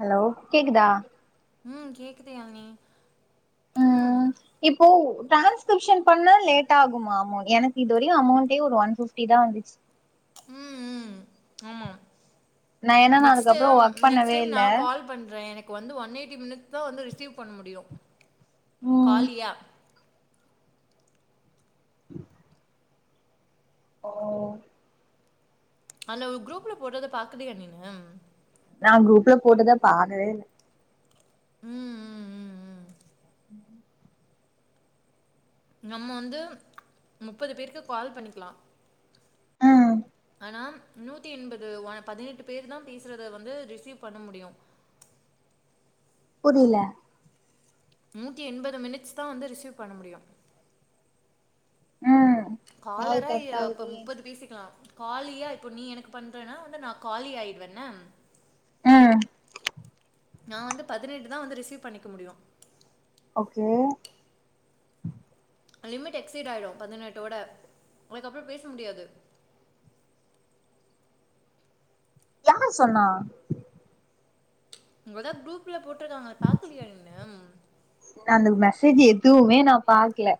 Hello கேக்குதா ம் கேக்குது யாழினி ஹும் ம் இப்போ ட்ரான்ஸ்கிரிப்ஷன் பண்ணா லேட் ஆகுமா மோகி இந்த எனக்கு இதுவரையு அமௌண்டே ஒரு ஒன் ஃபிஃப் டி தா வந்துச்சு ம் ம் ஆமா நா ஏன்னா நா நெக்ஸ்ட்டு அதுக்கப்புறோ ஒர்க் நெக்ஸ்ட் பண்ணவே டைம் இல்ல நா கால் பண்றே எனக்கு வந்து ஒன் எயிட்டி மினிட்ஸ் தா வந்து ரிசீவ் பண்ண முடியு ம் காலியா ஓ அந்த ஒரு குரூப்ல போடடதை பாக்குறியா நீனு நா குரூப்ல போட்டத பாக்கவே இல்ல ம் ம் ம் ம் நம்ம வந்து முப்பது பேருக்கு கால் பண்ணிக்கலா ஆனா நூத்தி எண்பது ஒ பதினெட்டு பேர் தா பேசுறத வந்து ரிசீவ் பண்ண முடியு புரில நூத்தி எண்பது மினிட்ஸ் தா வந்து ரிசீவ் பண்ண முடியு ம் காலரா ய அப்ப முப்பது பேசிக்கலா காலியா இப்போ நீ எனக்கு பண்றன்னா வந்து நா காலி ஆயிடுவேன்ன ம் நா வந்து பதினெட்டு தா வந்து ரிசீவ் பண்ணிக்க முடியு ஓகே லிமிட் எக்சீடு ஆயிடு பதினெட்டோட அதுக்கப்பறோ பேச முடியாது யார் சொன்னா உங்க தா குரூப்ல போட்ருக்காங்க பாக்கலையா நீனு ம் நா அந்த மெசேஜி எதுவுமே நா பாக்கல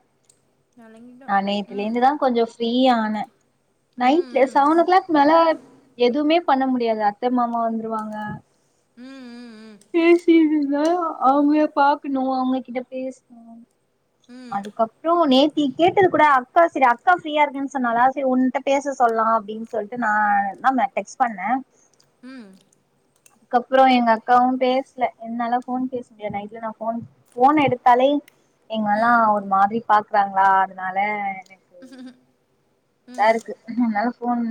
நான் நா இலங்கிட்டேன் ம் நேத்துலேந்துதா கொஞ்சோ ஃபிரீயான ம் நைட்ல செவன் ஓ கிளாக் மேல எதுமே பண்ண முடியாது அத்த மாமா வந்துருவாங்க ம் ம் ம் பேசிகிட்டு இருந்தா அவுங்கள பாக்கணு அவுங்ககிட்ட பேசணு ம் ம் அதுக்கப்பறோ நேத் நீ கேட்டது கூட அக்கா செரி அக்கா ஃப்ரீயா இருக்கேன்னு சொன்னாலா செரி உன்னிட்ட பேச சொல்லலா அப்டின்னு சொல்ட்டு நா நா டெக்ஸ்ட் பண்ணே ம் கப்பறோ எங்க அக்காவு ண்ணண் என்னால ஃபோன் பேச முடியாது நைட்ல நா ஃபோன் ஃபோன் எடுத்தாலே எங்கல்லா ம் ஒரு மாதிரி பாக்குறாங்களா அதனால எனக்கு இதா இருக்கு அதனால ஃபோன்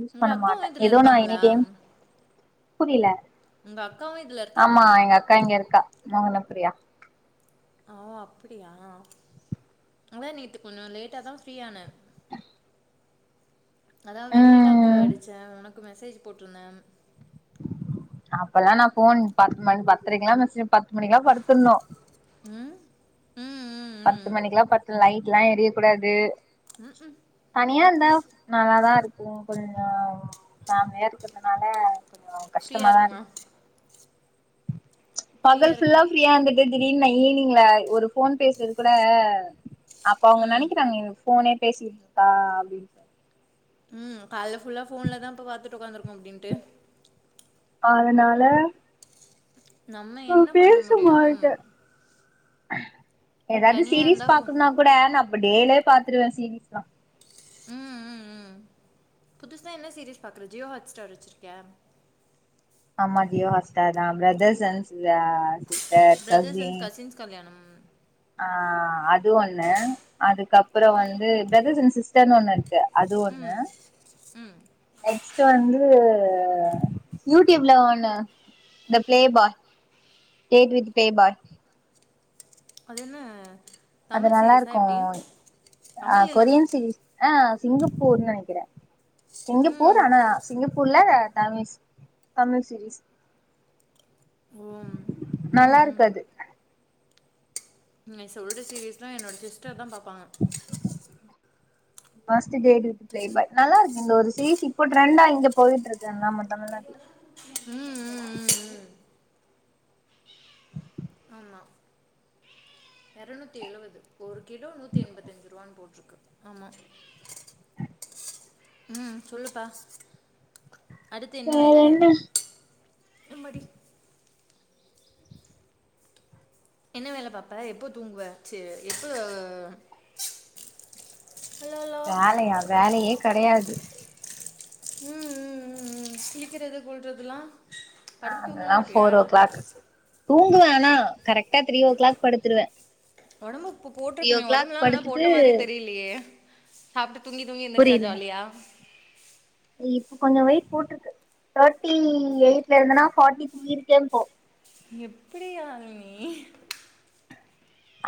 யூஸ் பண்ண உங்கள் மாட்டே அக்காவும் இதில் எதோ ஒன்னு நா இருக்காங்களா இணைத்தேன் புரில ஒங்க அக்காவு இதுல இருக்காங்ளா க்கா இங்க இருக்கா மோகன பிரியா ஓ அப்டியா அதா நேத்து கொஞ்ச லேட்டா தா ஃப்ரீ ஆனே அ அதா வெண்ணிலாக்கு அடிச்சே ஒனக்கு மெசேஜ் போட்ருந்தே அப்பலா நா ஃபோன் பத்து மண் பத்ரைக்லா மெஸேஜ் பத்து மணிக்லா படுத்துர்னு ம் ம் ம் பத்து ம் மணிக்குலா படுத்து லைட்லா எரியக்கூடாது ம் ம் தனியா இருந்தா நல்லாதா இருக்கு கொஞ்சம் ஃபேமிலி யா இருக்கிறதுனால கொஞ்சோ ஃப்ரீயாக கஷ்ட்டமா தா இருக்குமா இருக் பகல் ஃப்ரீயா ஃபுல்லா இருக்கலா ஃப்ரீயா இருந்துட்டு திடீர்னு நா ஈவினிங்ள ஒரு ஃபோன் பேசுறது குட அப்ப அவங்க ம் நெனக்கிறாங்க இவ ஃபோனே பேசிட்ருக்கா அப்டின் ம் கால்ல ஃபுல்லா போன்ல தா இப்ப பாத்துட்டு ஒக்காந்ருக்கோ அப்டின்ட்டு அதுனால நம்ம என்ன பண்ண முடியும் எதாது தனியா சீரீஸ் இருந்தா ஃபோ பாக்குனா குட நா இப்ப டேலே பாத்ருவே சீரீஸ்லா ம் ம் ம் புதுசா என்ன சீரிஸ் பாக்ற ஜியோ ஹாட்ஸ்டார் வச்சிர்க்கியா ஆமா ஜியோ ஹாஸ்டார்தா brothers and ah sis brothers and cousins கல்யாணம் ஆ அது ஒன்னு அதுக்கப்றோ வந்து பிரதர்ஸ் அண்ட் சிஸ்டர்ன்னு ஒன்னு இருக்கு அது ஒன்னு ம் ம் நெக்ஸ்ட்டு வந்து யூடியூப்ல ஒன்னு த பிளே பா கேக்கு வித்து பிளே பா அதுன்னு அது நல்லாருக்கு ஆ தமிழ் இல்லாம கொரியன் சீரீஸ் ஆ சிங்கப்பூர்னு நெனக்கிறே ம் சிங்கப்பூர் ஆனா சிங்கப்பூர்ல தமிஸ் தமிழ் சீரீஸ் ம் நல்லா ம் இருக்கு அது ம் நீ சொல்ற சீரிஸ்லா என்னோட சிஸ்டர் தா பாப்பாங்க worst girl with play boy நல்லாருக்கு இந்த ஒரு சீரீஸ் இப்போ ட்ரெண்டா இங்க பொயிட்ருக்கு நம்ம தமிழ்நாட்ல ம் ம் ம் ம் ஆமா எறநூத்தி எழுவது ஒரு கிலோ நூத்தி எம்பத்தஞ்சிர்வானு போட்ருக்கு ஆமா ம் சொல்லுப்பா அடுத்து என்ன வேல நிம்மதி என்ன வேல பாப்ப எப்ப தூங்குவ சி எப்ப வேலயா வேலயே கெடையாது ம் ம் ம் ம் சிளிக்கறது கொல்றதுலா ஆ அதெல்லா போரோ ஓ கிளாக் தூங்குவே ஆனா கரெக்டா த்ரீ ஓ கிளாக் படுத்துருவே ஒடம்புக்கு இப்ப த்ரீ ஓ போட்ருக்கமே கிளாக் ஒடம்பெல்லா ஆனா போட்ட படுத்துட்டு மாரியே தெரிலயே சாப்ட்டு தூங்கி தூங்கி எந்துருச்சா புரியல ஜாலியா இப்ப கொஞ்ச வெயிட் போட்ருக்கு தேர்ட்டி எயிட்ல இருந்தனா ஃபார்ட்டி த்ரீ இருக்கே இப்போ எப்டி யாழ்னி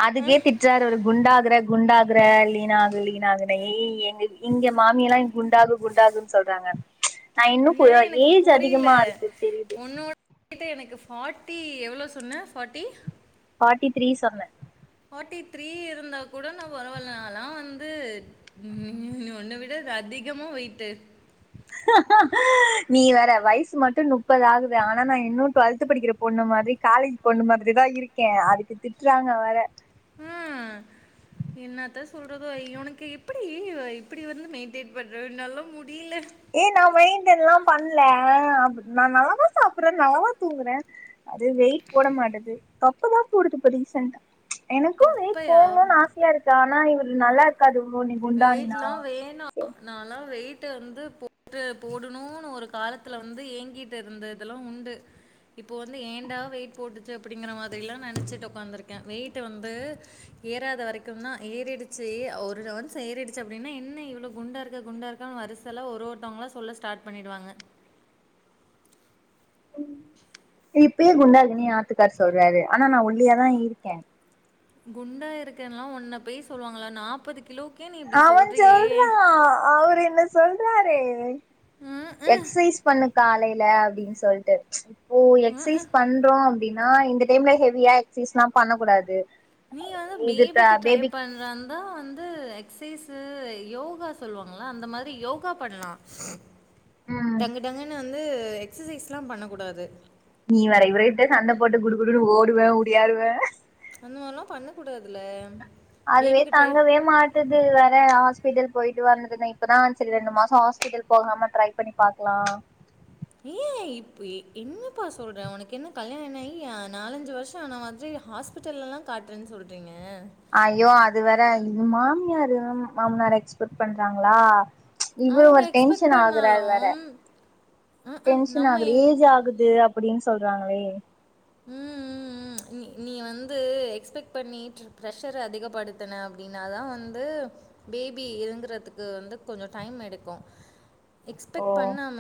அதுக்கே திட் சார் ஒரு குண்டாகுற குண்டாகுற லீனாகு லீனாகுனேய் எங்க இங்க மாமியெல்லா குண்டாகு குண்டாகுன்னு சொல்றாங்க நா இன்னு இல்லை கொஞ்சோ எனக்கு ஏஜ் அதிகமாருக்கு தெரிது ட்ட எனக்கு ஃபார்ட்டி எவ்ளோ சொன்ன ஃபார்ட்டி ஃபாட்டி த்ரீ சொன்னே ஃபார்ட்டி த்ரீ இருந்தா கூட நா பரவாயில்ல நாலாம் வந்து ஒன்ன விட அதி கமா வெய்டு நீ வேற வயசு மட்டு முப்பது ஆகுது ஆனா நா இன்னு டுவெல்த் படிக்கிற பொண்ணு மாதிரி காலேஜ் பொண்ணு மாதிரி தா இருக்கே அதுக்கு திட்றாங்க வேற ம். என்னத்த சொல்றதோ உனக்கு இப்டி இப்டி வந்து மெயின்டெயின் பண்ற என்னால முடியல ஏ நா மெயின்டென்ல்லா பண்ணல அப்ப நா நல்லா தா சாப்ட்றே நல்லாதா தூங்குறே அது வெயிட் போட மாட்டது தொப்பதா போடுது இப்ப ரீசண்ட்டா எனக்கு வெய்ட் தொப்பையா? போடணும்னு ஆசையாருக்கு ஆனா இவர்ரு நல்லா இருக்காது நீ குண்டானீனா நாலா வெயிட்ட வந்து போட்டு போடணுனு ஒரு காலத்துல வந்து ஏங்கி ட்டு இருந்தெல்லா உண்டு இப்போ வந்து ஏண்டா வெயிட் போட்டுச்சு அப்டிங்கிற மாதிரிலா நெனச்சிட்டு உகாந்துருக்கே வெயிட் வந்து ஏறாத வரைக்கும்னா ஏறிடுச்சு ஒரு ரௌன்ஸ் ஏறிடுச்சு அப்டின்னா என்ன இவ்வளவு குண்டா இருக்கா குண்டாருக்கான்னு வ வருசலல்ல ஒருத்தவங்களா சொல்ல ஸ்டார்ட் பண்ணிடுவாங்க பண்ணிடுவாங்க இப்பயே குண்டாறுக்கனு ஆத்துக்காரர் சொல்றாரு ஆனா நா ஒல்லியாதா இருக்கே குண்டா இருக்கன்லா ஒன்ன போய் சொல்லுவாங்களா நாப்பது கிலோக்கு அவன் சொல்றா அவரு என்ன சொல்றாறே ம்ஹ்ம். எக்சசைஸ் பண்ணு காலைல அப்டின்னு சொல்ட்டு ஓ ம்ஹ்ம். எக்ஸசைஸ் பண்றோ அப்டின்னா இந்த டைம்ல ஹெவியா எகஸசைஸ்ல்லா பண்ணக் கூடாது நீ வந்து இது த பேபிக்கு ட்ரை பேபிக் பண்றனு அதா வந்து எக்சசைஸு யோகா சொல்லுவாங்களா அந்த மாதிரி யோகா பண்லா ம் டங்கு டங்கன்னு வந்து எக்சசைஸ்ல்லாம் பண்ணக் கூடாது நீ வேற இவர்கிட்ட சண்ட போட்டு குடு குடுன்னு ஓடுவே ஓடியாறுவே அந்த மாதிரிலா பண்ண கூடாதுல அதுவே தாங்கவே மாட் டுது வேற ஹாஸ்பிட்டல் போய்ட்டு வரந்தது இப்பதா சேரி ரெண்டு மாசோ ஹாஸ்பிடல் போகாம ட்ரை பண்ணி பாக்கலா ஏ இப்போ என்னப்பா சொல்ற உனக்கு என்ன கல்யாணம் ஆகி அ நாலஞ்சு வருஷோ ஆன மாதிரி ஹாஸ் பிட்டல்லெல்லா காட்டுறேன்னு சொல்றீங்க ஐயோ அது வேற இது மாமியாரு மாமனாரு எக்ஸ்பெக்ட் பண்றாங்களா இவரு அவங்க ஒரு எக்ஸ்பெக்ட் டென்ஷன் ஆகுறாரு வேற பண்ணாலும் ம்ம். டென்ஷன் ஆகுது நம்ம ஏஜ் ஆகுது அப்டின்னு சொல்றாங்களே ம் ம் ம் நீ நீ வந்து எக்ஸ்பெக்ட் பண்ணி ப்ரெஷர அதிகப்படுத்தின அப்டின்னாதா வந்து பேபி இதுங்குறதுக்கு வந்து கொஞ்சோ டைம் எடுக்கு ஓ எக்ஸ்பெக்ட் பண்ணாம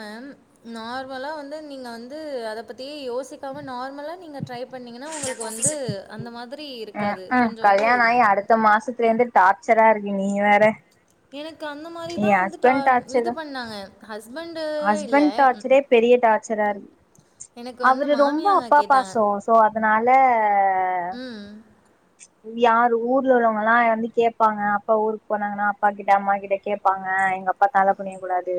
நார்மலா வந்து நீங்க வந்து அத பத்தியே யோசிக்காம நார் மலா நீங்க ட்ரை பண்ணீங்கன்னா உங்களுக்கு வந்து அந்த மாதிரி இருக்காது. கொஞ்சம் வந்து கல்யாணம் ஆகி அடுத்த மாசத்துலருந்து டார்ச்சரா இருக்கு நீ வேற எனக்கு அந்த மாதிரி எ தா வந்து டா ஹஸ்பண்ட் டார்ச்சர் இது தா பண்ணாங்க ஹஸ்பண்டு இல்ல. ஹஸ்பண்ட் டார்ச்சரே பெரிய டார்ச்சராருக்கு எனக்கு வந்து அவரு ரொம்ப மாமியாங்க அப்பா கேட்டாங்க. பாசோ சோ அதனால ம். [inaudible] யாரு ஊர்ல உள்ளவங்கல்லா வந்து கேட்பாங்க அப்பா ஊருக்கு போனாங்கன்னா அப்பா கிட்ட அம்மா கிட்ட கேட்பாங்க எங்க அப் பத்தனால புண்ணியக்க கூடாது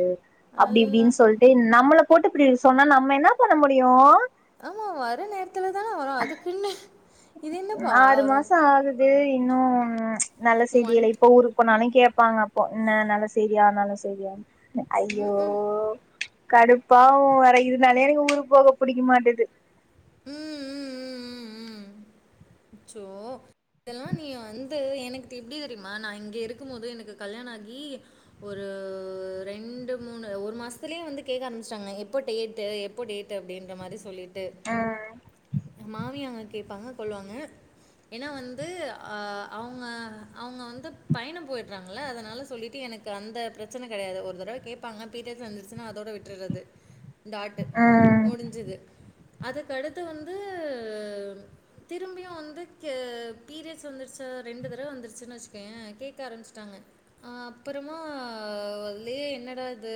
அப்டி அல்லா! இப்டின்னு சொல்லிட்டு நம்மள போட்டு இப்டி சொன்னா நம்ம என்ன பண்ண முடியு ஆமா வர நேரத்துல தான வரு அதுக்குன்னு இது என்னப்பா ஆறு வரும் மாச ஆகுது இன்னு நல்ல செய்தி ஒன் இல்லை இப்ப ஊருக்கு போனாலு கேட்பாங்க அப்போ என்ன நல்ல செய்தியா நல்ல செய்தியான்னு ம், ஐயோ கடுப்பாகு வேற இதுனாலயே எனக்கு ஊருக்கு போக பிடிக்க மாட்டது ம் ம் ம், ம். அச்சோ இதெல்லா நீ வந்து எனக்கு எப்டி தெரியுமா நா இங்க இருக்கும் போது எனக்கு கல்யாண ஆகி ஒரு ரெண்டு மூணு ஒரு மாசத்துலயே வந்து கேட்க ஆரம்பச்சிடாங்க எப்போ டேட் எப்போ டேட் அப்டின்ற மாதிரி சொல்லிட்டு ம் மாமிய அங்க கேட்பாங்க கொல்லுவாங்க ஏன்னா வந்து அவங்க அவங்க வந்து பயண போய்டுறாங்கள அதனால சொல்லிட்டு எனக்கு எனக்கு அந்த பிரச்சன கிடையாது ஒரு தடவ கேட்பாங்க பீரியட்ஸ் வந்துச்சன்னா அதோட விட்டுறது [inaudible] டாட்டு ம் முடிஞ்சுது அதுக்கடுத்து வந்து திரும்பியு வந்து பீரியட்ஸ் வந்துருச்சா ரெண்டு தடவ வந்துருச்சுன்னு வச்சுக்கோய கேட்க ஆரம்பிச்சுட்டாங்க அப்பறமா அலயே என்னடா இது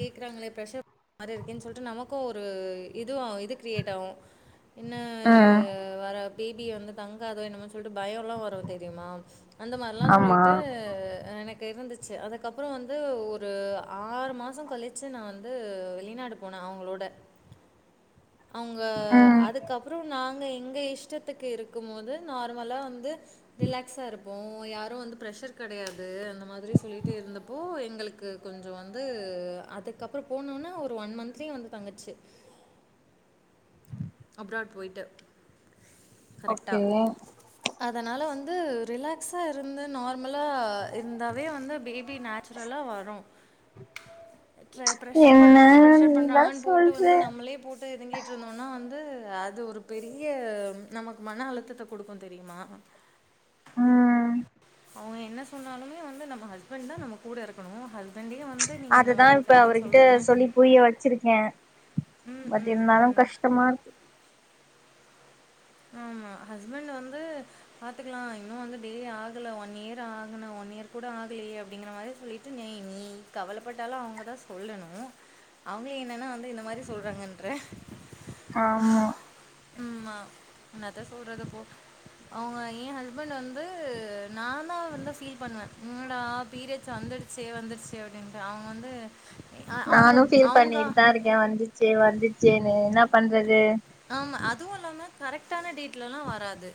கேக்குறாங்களே பிரசர் மாதிரி இருக்கேன்னு சொல்லிட்டு நமக்கும் ஒரு இதுவும் இது கிரியேட் ஆகும் என்ன ம் வர பிபி வந்து தங்காதோ என்னமன்னு சொல்லிட்டு பய எல்லாம் வரும் தெரியுமா அந்த மாதிரிலா ஆமா சொல்லிட்டு எனக்கு இருந்துச்ச அதுக்கப்பற வந்து ஒரு ஆறு மாச கழிச்சு நா வந்து வெளிநாடு போன அவங்களோட [inaudible] அவங்க ம் அதுக்கப்பற நாங்க எங்க எங்க இஷ்டத்துக்கு இருக்கும் போது நார்மலா வந்து ரிலாக்ஸா இருப்போ யாரும் வந்து பிரஷர் கிடையாது அந்த மாதிரி சொல்லிட்டு இருந்தப்போ எங்களுக்கு க்கு கொஞ்ச வந்து அதுக்கப்பற போனோனா ஒரு ஒன் மந்த்லேயே வந்து தங்குச்சு அப்ராட் போயி்ட்டு கரெக்டா ஓகே அதனால வந்து ரிலாக்ஸா இருந்து நார்மலா இருந்தாவே வந்து பேபி பேபி நேச்சுரலா வரு பிரஷர் என்ன பண்றாங்க ப்ரெஷ நீதா பண்றாங்கன்னு போட்டு சொல்ற வந்து நம்மளே போட்டு இதுங்கிட்டு இருந்தோம்னா வந்து அது ஒரு பெரிய நமக்கு மன அழுத்தத்த கொடுக்கும் தெரியுமா ம்ம் அவங்க என்ன சொன்னாலுமே வந்து நம்ம ஹ்பண்ட் தா நம்ம கூட இருக்கணும் ஹ அதுதா இப்ப அவுருகிட்ட சொல்லி புரிய வச்சிருக்க ம் பட் ம் இருந்தாலு ம் கஷ்டமா இரு ஆமா ஹஸ்பண்ட் வந்து பாத்துக்கலா இன்னும் வந்து டெ ஆகல ஒன் இயர் ஆகல ஒன் இயர் கூட ஆகலயே அப்டிங்கிற மாதிரி சொல்லிட்டு நீ கவலைப்பட்டாலு அவங்கதா சொல்லணும் அவங்க என்னன்னா வந்து இந்த மாதிரி சொல்றாங்கன்ற ஆமா உம்மா என்னத சொல்றது போ அவங்க எய ஹஸ்பண்ட் வந்து நான வந்து பண்ணுவ என்னடா பீரியட்ஸ் வந்தடுச்ச ச வந்துருச்சே அப்டின்ற அவங்க வந்து அவங்க அவங்க ன் வந்துச்சே வந்துச்சேன்னு என்ன பண்றது ஆமா அதுவும் இல்லாம கரெக்டான டேட்ல எல்லா வராது